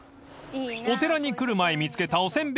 ［お寺に来る前見つけたお煎餅屋さん］